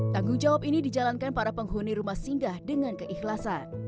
tanggung jawab ini dijalankan para penghuni rumah singgah dengan keikhlasan